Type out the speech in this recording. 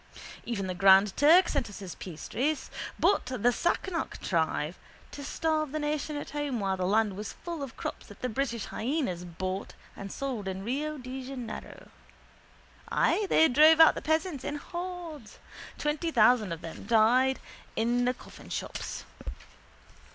Even the Grand Turk sent us his piastres. But the Sassenach tried to starve the nation at home while the land was full of crops that the British hyenas bought and sold in Rio de Janeiro. Ay, they drove out the peasants in hordes. Twenty thousand of them died in the coffinships.